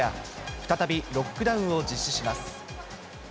再びロックダウンを実施します。